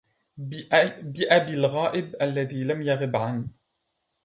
بأبي الغائب الذي لم يغب عن